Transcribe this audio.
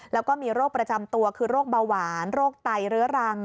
แล้วก็มีโรคประจำตัวคือโรคเบาหวานโรคไตเรื้อรัง